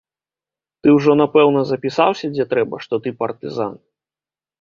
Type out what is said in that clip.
Ты ўжо, напэўна, запісаўся, дзе трэба, што ты партызан?